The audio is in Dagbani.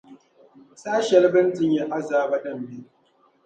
saha shɛli bɛ ni ti nya azaaba din be.